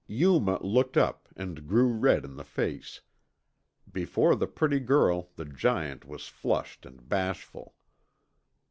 Yuma looked up and grew red in the face. Before the pretty girl, the giant was flushed and bashful.